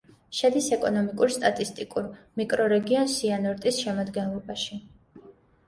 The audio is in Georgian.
შედის ეკონომიკურ-სტატისტიკურ მიკრორეგიონ სიანორტის შემადგენლობაში.